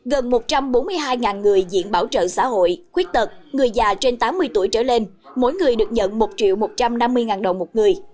gần một trăm bốn mươi hai người diện bảo trợ xã hội khuyết tật người già trên tám mươi tuổi trở lên mỗi người được nhận một một trăm năm mươi đồng một người